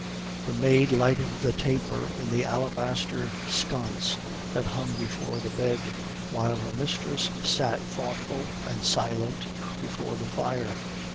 "The maid lighted the taper in the alabaster sconce that hung before the bed, while her mistress sat thoughtful and silent before the fire.